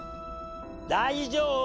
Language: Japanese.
大丈夫！